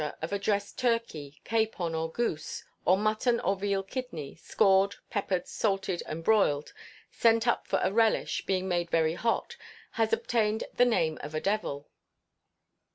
of a dressed turkey, capon, or goose, or mutton or veal kidney, scored, peppered, salted, and broiled, sent up for a relish, being made very hot, has obtained the name of a "devil."